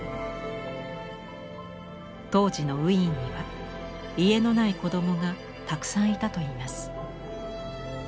当時のウィーンには家のない子どもがたくさんいたといいます。